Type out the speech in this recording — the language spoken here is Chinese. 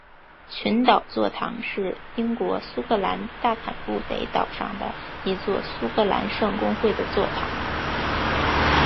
群岛座堂是英国苏格兰大坎布雷岛上的一座苏格兰圣公会的座堂。